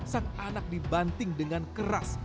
sang anak dibanting dengan keras